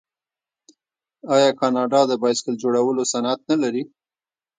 آیا کاناډا د بایسکل جوړولو صنعت نلري؟